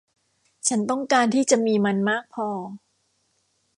ฉันต้องการที่จะมีมันมากพอ